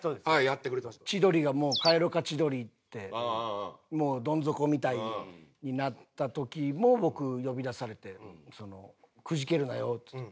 千鳥がもう「帰ろか千鳥」ってもうどん底みたいになった時も僕呼び出されてその「くじけるなよ」って。